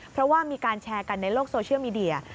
เพราะว่ามีการแชร์กันในโลกโซเชียลมีเดีย